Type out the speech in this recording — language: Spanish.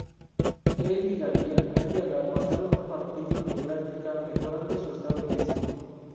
El y Daniel Ayala pasaron un partido de práctica, mejorando su estado físico.